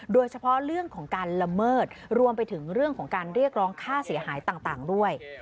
โดยเฉพาะเรื่องของการละเมิดรวมไปถึงเรื่องของการเรียกร้องค่าเสียหายต่างด้วย